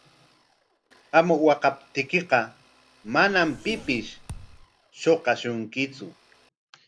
Qam waqaptiykiqa manam pipis shuqashunkitsu.